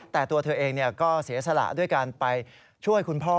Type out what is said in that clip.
แต่ตัวเธอเองก็เสียสละด้วยการไปช่วยคุณพ่อ